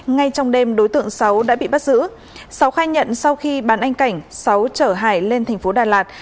ngay trong đêm đối tượng sáu đã bị bắt giữ sáu khai nhận sau khi bán anh cảnh sáu chở hải lên thành phố đà lạt